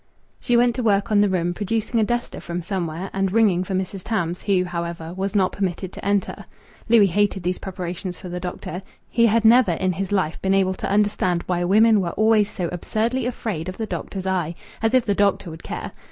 She went to work on the room, producing a duster from somewhere, and ringing for Mrs. Tams, who, however, was not permitted to enter. Louis hated these preparations for the doctor. He had never in his life been able to understand why women were always so absurdly afraid of the doctor's eye. As if the doctor would care!